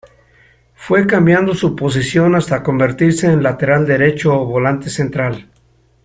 Fue cambiando su posición hasta convertirse en lateral derecho o volante central.